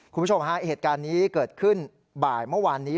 คุณผู้ชมฮะเหตุการณ์นี้เกิดขึ้นบ่ายเมื่อวานนี้